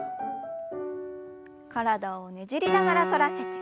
体をねじりながら反らせて。